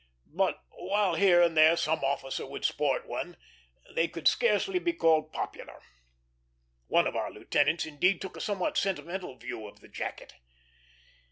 But, while here and there some officer would sport one, they could scarcely be called popular. One of our lieutenants, indeed, took a somewhat sentimental view of the jacket.